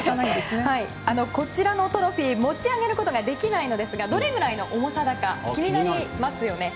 こちらのトロフィー持ち上げることはできないんですがどれぐらいの重さか気になりますよね。